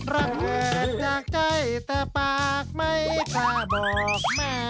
รักแหงจากใจแต่ปากไม่ค่าบอก